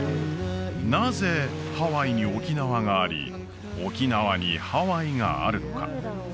なぜハワイに沖縄があり沖縄にハワイがあるのか？